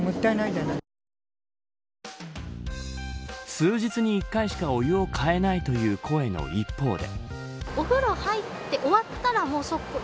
数日に１回しかお湯を変えないという声の一方で。